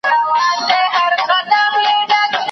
چي په ښکار به د مرغانو وو وتلی